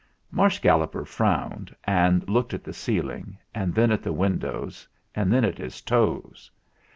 Marsh Galloper frowned and looked at the ceiling, and then at the windows, and then at his toes.